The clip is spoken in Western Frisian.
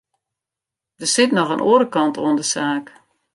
Der sit noch in oare kant oan de saak.